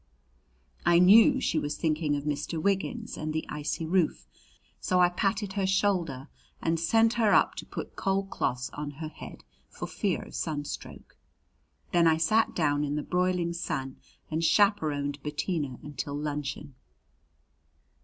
I knew she was thinking of Mr. Wiggins and the icy roof, so I patted her shoulder and sent her up to put cold cloths on her head for fear of sunstroke. Then I sat down in the broiling sun and chaperoned Bettina until luncheon.